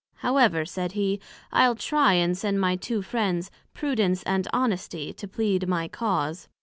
However, said he, I'le try and send my two Friends, Prudence and Honesty, to plead my Cause.